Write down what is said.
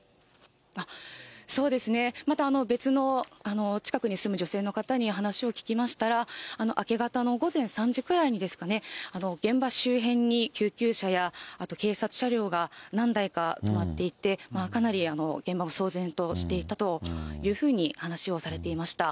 そうですね、また別の近くに住む女性の方に話を聞きましたら、明け方の午前３時ぐらいにですかね、現場周辺に救急車や、あと警察車両が何台か止まっていて、かなり現場も騒然としていたというふうに話をされていました。